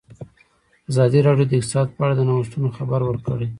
ازادي راډیو د اقتصاد په اړه د نوښتونو خبر ورکړی.